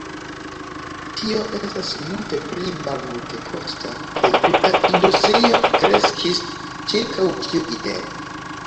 Tio estas multe pli malmultekosta, kaj tuta industrio kreskis ĉirkaŭ tiu ideo.